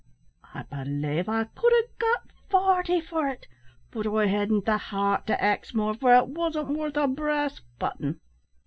I belave I could ha' got forty for it, but I hadn't the heart to ax more, for it wasn't worth a brass button."